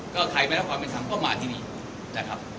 ก็ใครไม่รับความเป็นธรรมก็มาที่นี่นะครับ